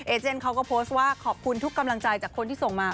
เจนเขาก็โพสต์ว่าขอบคุณทุกกำลังใจจากคนที่ส่งมา